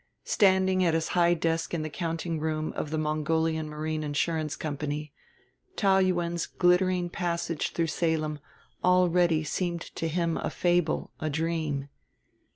Standing at his high desk in the countingroom of the Mongolian Marine Insurance Company, Taou Yuen's glittering passage through Salem already seemed to him a fable, a dream.